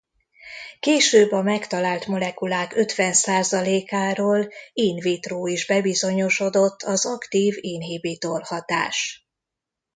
Később a megtalált molekulák ötven százalékáról in vitro is bebizonyosodott az aktív inhibitor hatás.